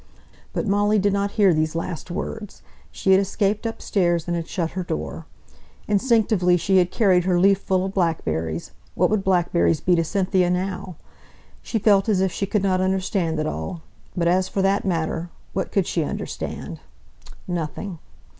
But Molly did not hear these last words. She had escaped upstairs, and shut her door. Instinctively she had carried her leaf full of blackberries what would blackberries be to Cynthia now? She felt as if she could not understand it all; but as for that matter, what could she understand? Nothing.